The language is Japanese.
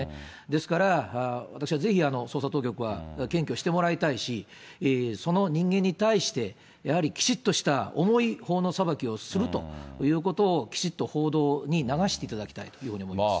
ですから、私はぜひ、捜査当局は検挙してもらいたいし、その人間に対して、やはりきちっとした重い法の裁きをするということを、きちっと報道に流していただきたいというふうに思います。